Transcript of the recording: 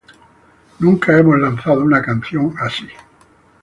Nunca hemos lanzado una canción así.